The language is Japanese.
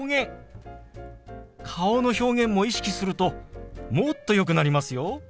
顔の表現も意識するともっとよくなりますよ。